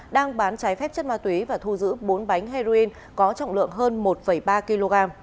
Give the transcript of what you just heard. đang bán trái phép chất ma túy và thu giữ bốn bánh heroin có trọng lượng hơn một ba kg